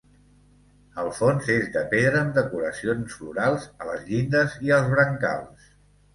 El fons és de pedra amb decoracions florals a les llindes i als brancals.